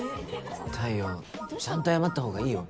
太陽ちゃんと謝った方がいいよ。